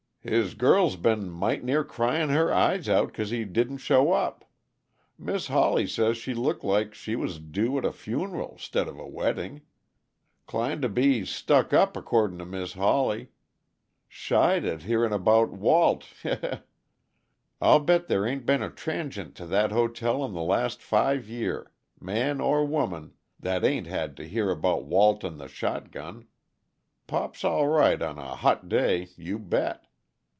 "His girl's been might' near crying her eyes out, 'cause he didn't show up. Mis' Hawley says she looked like she was due at a funeral 'stid of a weddin'. 'Clined to be stuck up, accordin' to Mis' Hawley shied at hearin' about Walt he he! I'll bet there ain't been a transient to that hotel in the last five year, man or woman, that ain't had to hear about Walt and the shotgun Pop's all right on a hot day, you bet!